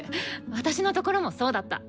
私のところもそうだった！